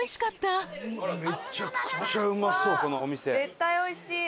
絶対おいしい！